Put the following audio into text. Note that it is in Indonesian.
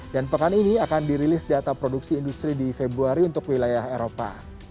dan pekan ini akan dirilis data produksi industri di februari untuk wilayah eropa